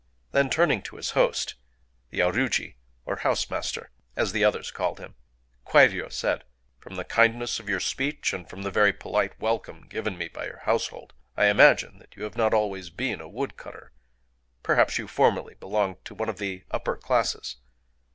Then turning to his host,—the aruji, or house master, as the others called him,—Kwairyō said:— "From the kindness of your speech, and from the very polite welcome given me by your household, I imagine that you have not always been a woodcutter. Perhaps you formerly belonged to one of the upper classes?"